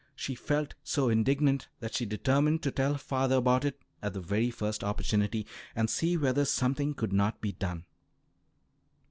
She felt so indignant that she determined to tell her father about it at the very first opportunity, and see whether something could not be done.